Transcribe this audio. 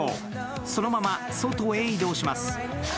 そのまま外へ移動します。